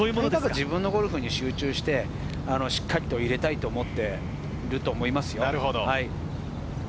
自分のゴルフに集中して、しっかり入れたいと思っていると思います。